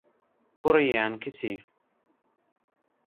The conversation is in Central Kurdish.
کوڕی یان کچی؟